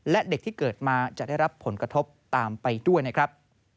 และเด็กที่เกิดมาจะได้รับผลกระทบตามไปด้วยนะครับ